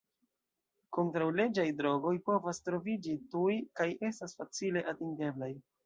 Kontraŭleĝaj drogoj povas troviĝi tuj kaj estas facile atingeblaj.